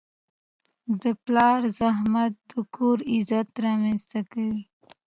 د پلار زحمت د کور عزت رامنځته کوي.